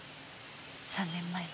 ３年前の。